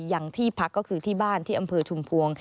อย่างที่พักก็คือที่บ้านที่อำเภอชุมพวง